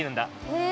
へえ！